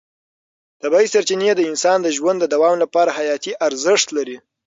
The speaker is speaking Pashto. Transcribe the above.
طبیعي سرچینې د انسان د ژوند د دوام لپاره حیاتي ارزښت لري.